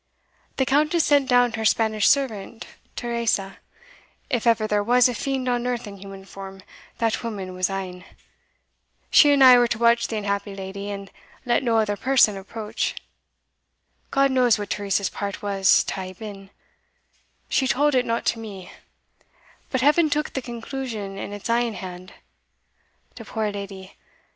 The Countess sent down her Spanish servant Teresa if ever there was a fiend on earth in human form, that woman was ane. She and I were to watch the unhappy leddy, and let no other person approach. God knows what Teresa's part was to hae been she tauld it not to me but Heaven took the conclusion in its ain hand. The poor leddy!